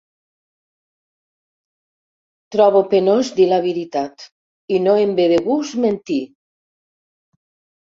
Trobo penós dir la veritat i no em ve de gust mentir.